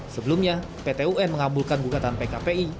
sebelumnya pt un mengabulkan gugatan pkpi